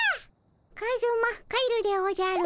カズマ帰るでおじゃる。